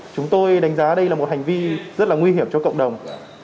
chúng tôi đánh giá đây là một hành vi rất là nguy hiểm cho cộng đồng